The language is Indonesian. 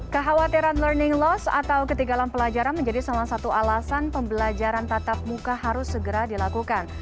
kekhawatiran learning loss atau ketinggalan pelajaran menjadi salah satu alasan pembelajaran tatap muka harus segera dilakukan